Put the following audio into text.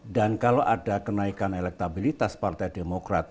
dan kalau ada kenaikan elektabilitas partai demokrat